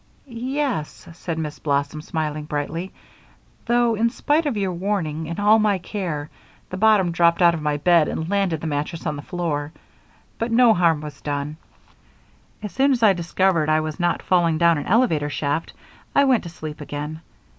"Ye es," said Miss Blossom, smiling brightly, "though in spite of your warning and all my care, the bottom dropped out of my bed and landed the mattress on the floor. But no harm was done. As soon as I discovered that I was not falling down an elevator shaft, I went to sleep again.